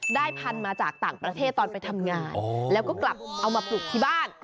พันธุ์มาจากต่างประเทศตอนไปทำงานแล้วก็กลับเอามาปลูกที่บ้าน